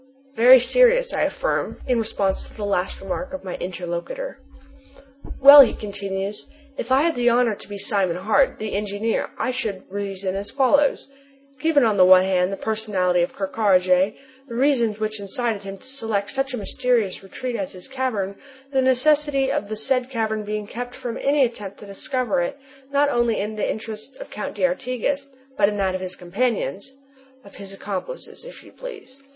"Very serious," I affirm, in response to the last remark of my interlocutor. "Well," he continues, "if I had the honor to be Simon Hart, the engineer, I should reason as follows: 'Given, on the one hand, the personality of Ker Karraje, the reasons which incited him to select such a mysterious retreat as this cavern, the necessity of the said cavern being kept from any attempt to discover it, not only in the interest of the Count d'Artigas, but in that of his companions '" "Of his accomplices, if you please."